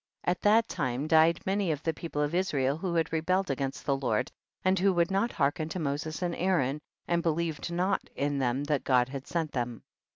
37. At that time died many of the people of Israel who had rebelled against the Lord and who would not hearken to Moses and Aaron, and believed not in them that God had sent them.